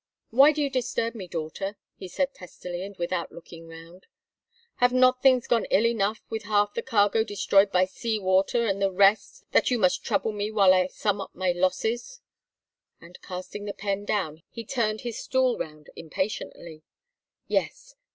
"Why do you disturb me, Daughter?" he said testily, and without looking round. "Have not things gone ill enough with half the cargo destroyed by sea water, and the rest, that you must trouble me while I sum up my losses?" And, casting the pen down, he turned his stool round impatiently. Yes!